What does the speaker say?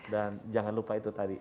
dan jangan lupa itu tadi